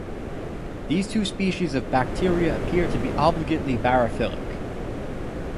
These two species of bacteria appear to be obligately barophilic.